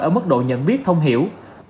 ở mức độ nhận viết thông hiểu